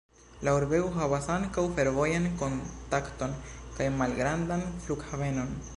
La urbego havas ankaŭ fervojan kontakton kaj malgrandan flughavenon.